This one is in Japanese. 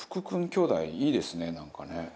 きょうだいいいですねなんかね。